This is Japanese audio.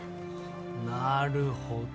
なるほど。